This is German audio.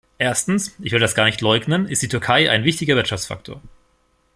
Erstens ich will das gar nicht leugnen ist die Türkei ein wichtiger Wirtschaftsfaktor.